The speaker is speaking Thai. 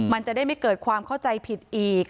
มันจะได้ไม่เกิดความเข้าใจผิดอีก